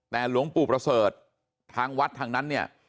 แต่หลวงปู่ประเสริฐทางวัดทางนั้นเนี่ย